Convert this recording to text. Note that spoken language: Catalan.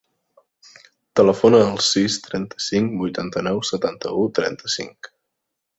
Telefona al sis, trenta-cinc, vuitanta-nou, setanta-u, trenta-cinc.